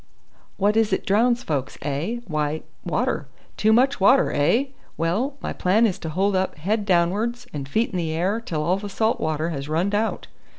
"What is it drowns folks, eh? Why, water. Too much water, eh? Well, my plan is to hold up head down'ards and feet in the air till all the salt water has runned out."